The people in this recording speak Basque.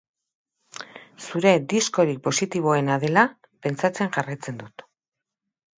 Zure diskorik positiboena dela pentsatzen jarraitzen dut.